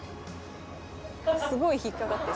「すごい引っ掛かってそう」